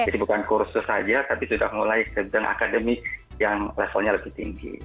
jadi bukan kursus saja tapi sudah mulai sedang akademik yang levelnya lebih tinggi